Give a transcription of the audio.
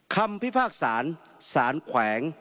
พิพากษาสารแขวง